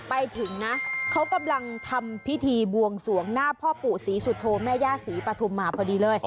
เพราะฉะนั้นต้องขยันไปหน่อย